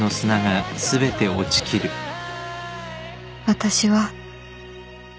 私は